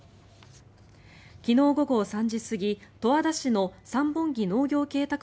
昨日午後３時すぎ十和田市の三本木農業恵拓